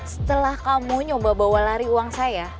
setelah kamu nyoba bawa lari uang saya